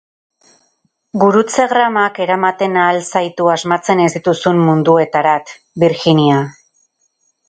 Gurutzegramak eramaten ahal zaitu asmatzen ez dituzun munduetarat, Virginia!